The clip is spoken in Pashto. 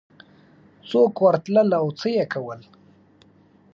څوک ورتلل او څه یې کول